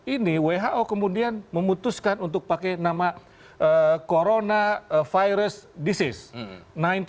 ini who kemudian memutuskan untuk pakai nama corona virus disease sembilan belas